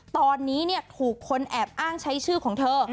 ตอนนี้ถูกคนแอบอ้างใช้ชื่อของเธอ